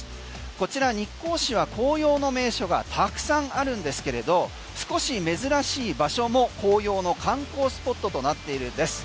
こちら日光市は紅葉の名所がたくさんあるんですが少し珍しい場所も紅葉の観光スポットとなっているんです。